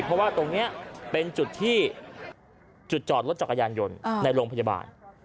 เพราะว่าตรงนี้เป็นจุดที่จุดจอดรถจักรยานยนต์ในโรงพยาบาล